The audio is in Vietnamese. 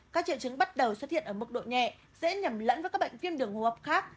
các triệu chứng bắt đầu xuất hiện ở mức độ nhẹ dễ nhầm lẫn với các bệnh viêm đường hô hấp khác